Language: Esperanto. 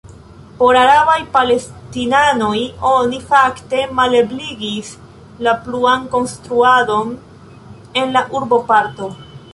Por arabaj palestinanoj oni fakte malebligis la pluan konstruadon en la urboparto.